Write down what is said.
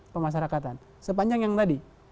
pemasarakatan sepanjang yang tadi